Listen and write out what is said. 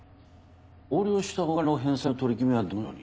横領したお金の返済の取り決めはどのように？